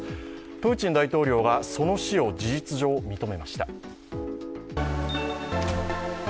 プーチン大統領がその死を事実上、認めました。